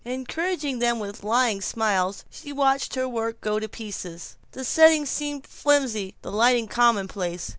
Encouraging them with lying smiles, she watched her work go to pieces. The settings seemed flimsy, the lighting commonplace.